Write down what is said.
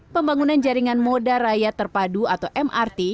pembangunan jaringan moda raya terpadu atau mrt